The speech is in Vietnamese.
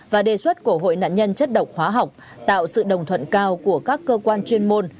và đề xuất của hội nạn nhân chất độc hóa học tạo sự đồng thuận cao của các cơ quan chuyên môn